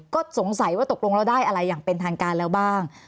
ก็สงสัยว่าตกลงเราได้อะไรอย่างเป็นทางการแล้วบ้าง